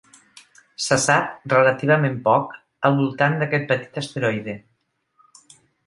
Se sap relativament poc al voltant d'aquest petit asteroide.